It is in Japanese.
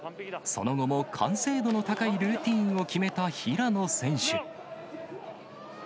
その後も完成度の高いルーティーンを決めた平野選手。